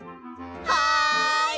はい！